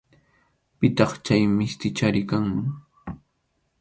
Pitaq chay mistichari kanman.